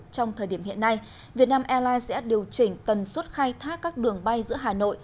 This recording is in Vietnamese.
trong thời điểm hiện nay vietnam airlines sẽ điều chỉnh tần suất khai thác các đường bay giữa hà nội